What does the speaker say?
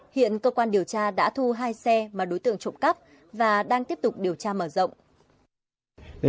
hiện cơ quan điều tra đã thu hai xe mà đối tượng trộm cắp và đang tiếp tục điều tra mở rộng